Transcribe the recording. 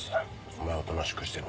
お前はおとなしくしてろ。